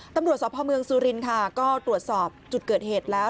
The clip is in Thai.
ตำรวจสพเมืองสุรินค่ะก็ตรวจสอบจุดเกิดเหตุแล้ว